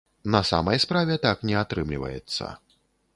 На самай справе, так не атрымліваецца.